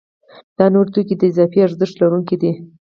دا نوي توکي د اضافي ارزښت لرونکي دي